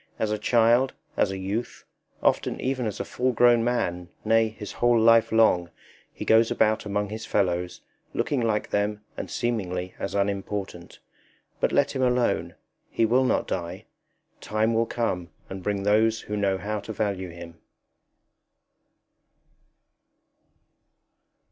As a child, as a youth, often even as a full grown man, nay, his whole life long, he goes about among his fellows, looking like them and seemingly as unimportant. But let him alone; he will not die. Time will come and bring those who know how to value him.